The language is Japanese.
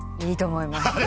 いいと思います。